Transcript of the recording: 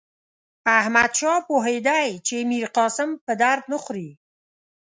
احمدشاه پوهېدی چې میرقاسم په درد نه خوري.